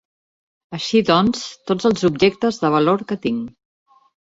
Així doncs, tots els objectes de valor que tinc.